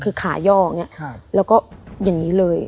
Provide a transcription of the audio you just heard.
คือขาย่ออย่างนี้แล้วก็อย่างนี้เลย